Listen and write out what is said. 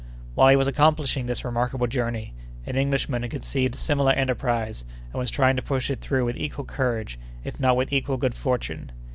"While he was accomplishing this remarkable journey, an Englishman had conceived a similar enterprise and was trying to push it through with equal courage, if not with equal good fortune.